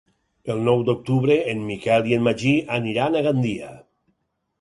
El nou d'octubre en Miquel i en Magí aniran a Gandia.